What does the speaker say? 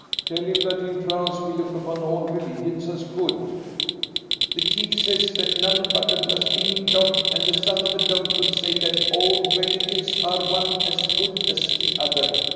"Tell him that in France we look upon all religions as good." "The chief says that none but a blaspheming dog and the son of a dog would say that all religions are one as good as the other.